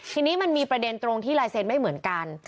ทีนี้มันมีประเด็นตรงที่ลายเซ็นต์ไม่เหมือนกัน